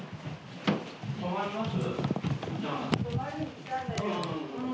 泊まります？